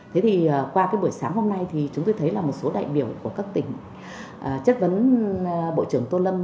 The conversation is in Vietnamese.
thế thì qua cái buổi sáng hôm nay thì chúng tôi thấy là một số đại biểu của các tỉnh chất vấn bộ trưởng tô lâm